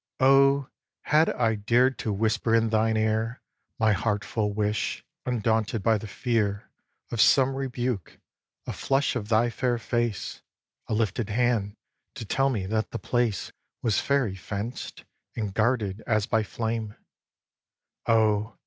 xvi. Oh! had I dared to whisper in thine ear My heart full wish, undaunted by the fear Of some rebuke: a flush of thy fair face, A lifted hand to tell me that the place Was fairy fenced, and guarded as by flame, Oh!